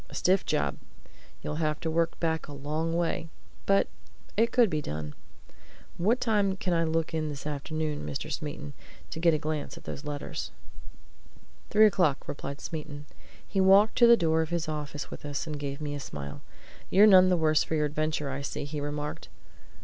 "A stiff job! You'd have to work back a long way. But it could be done. What time can I look in this afternoon, Mr. Smeaton, to get a glance at those letters?" "Three o'clock," replied Smeaton. He walked to the door of his office with us, and he gave me a smile. "You're none the worse for your adventure, I see," he remarked.